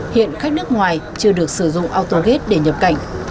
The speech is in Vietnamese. hiện khách nước ngoài chưa được sử dụng autogate để nhập cảnh